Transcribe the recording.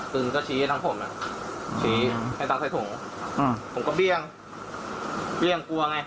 พึงก็ชี้ให้ทั้งผมชี้ให้ตังใส่ถุงอืมผมก็เบี้ยงเบี้ยงกลัวไง